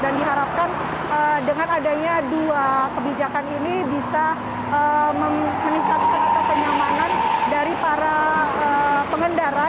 dan diharapkan dengan adanya dua kebijakan ini bisa meningkatkan atau kenyamanan dari para pengendara